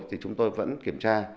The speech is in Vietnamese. thì chúng tôi vẫn kiểm tra